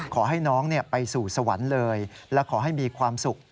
ขอให้น้องไปสู่สวรรค์เลยและขอให้มีความสุข